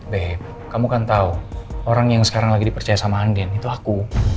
beh kamu kan tahu orang yang sekarang lagi dipercaya sama andin itu aku